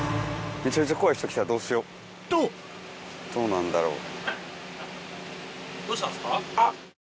とどうなんだろう？